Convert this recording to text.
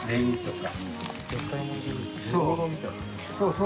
そう！